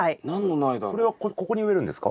それはここに植えるんですか？